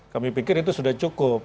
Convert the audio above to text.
kami pikir itu sudah cukup